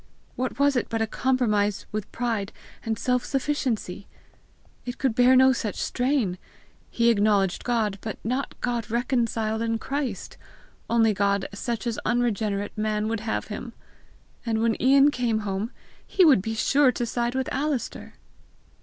What was it but a compromise with pride and self sufficiency! It could bear no such strain! He acknowledged God, but not God reconciled in Christ, only God such as unregenerate man would have him! And when Ian came home, he would be sure to side with Alister!